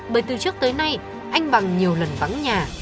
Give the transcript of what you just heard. bởi từ trước tới nay anh bằng nhiều lần vắng nhà